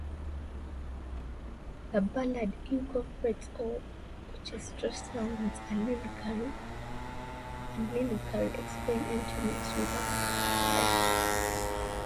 The ballad incorporates orchestral sounds and lyrically explains emptiness without Christ.